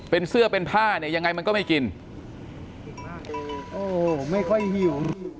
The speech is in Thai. เป็นเสื้อเป็นผ้าเนี่ยยังไงมันก็ไม่กินโอ้ไม่ค่อยหิว